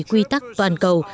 quy tắc toàn cầu